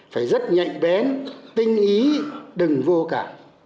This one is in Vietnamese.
phải rất nhạy bén tinh ý đừng vô cả